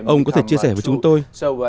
ông có thể chia sẻ với chúng tôi